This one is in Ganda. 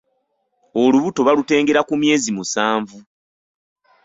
Olubuto balutengera ku myezi musanvu